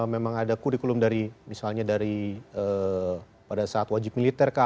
memang ada kurikulum dari misalnya dari pada saat wajib militer kah